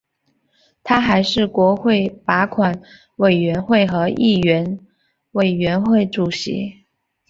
他还是国会拨款委员会和议院委员会主席。